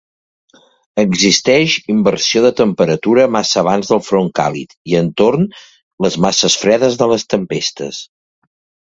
Existeix inversió de temperatura massa abans del front càlid i entorn les masses fredes de les tempestes.